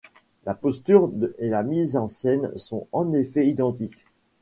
La posture et la mise en scène sont en effet identiques.